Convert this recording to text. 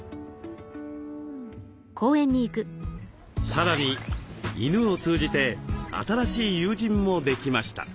さらに犬を通じて新しい友人もできました。